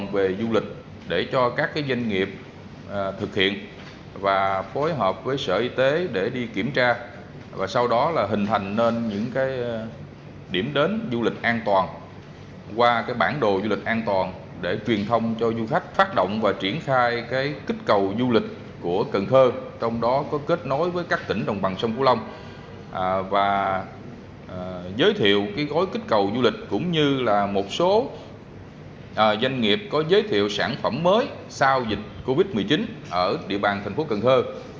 và giới thiệu cái gói kích cầu du lịch cũng như là một số doanh nghiệp có giới thiệu sản phẩm mới sau dịch covid một mươi chín ở địa bàn thành phố cần thơ